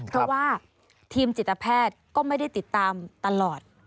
เพราะว่าทีมจิตแพทย์ก็ไม่ได้ติดตามตลอด